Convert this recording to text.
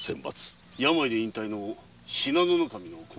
病で引退の信濃守の後任か。